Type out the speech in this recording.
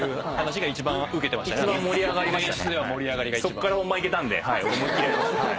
そっから本番いけたんで思いっ切りやれました。